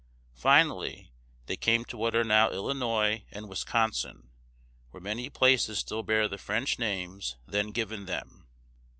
Finally, they came to what are now Il li nois´ and Wis con´sin, where many places still bear the French names then given them.